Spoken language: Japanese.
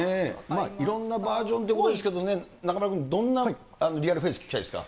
いろんなバージョンってことですけどね、中丸君、どんなＲｅａｌＦａｃｅ聴きたいですか？